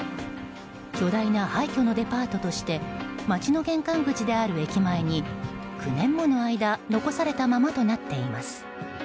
巨大な廃虚のデパートとして街の玄関口である駅前に９年もの間残されたままとなっています。